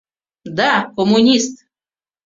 Да — коммунист.